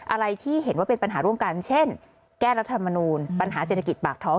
อะไรที่เห็นว่าเป็นปัญหาร่วมกันเช่นแก้รัฐมนูลปัญหาเศรษฐกิจปากท้อง